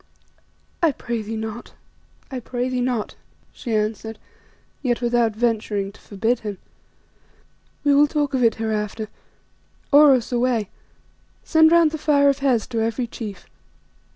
"I pray thee not, I pray thee not," she answered, yet without venturing to forbid him. "We will talk of it hereafter. Oros, away! Send round the Fire of Hes to every chief.